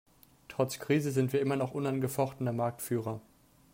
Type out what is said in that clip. Trotz Krise sind wir immer noch unangefochtener Marktführer.